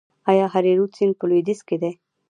آیا هریرود سیند په لویدیځ کې دی؟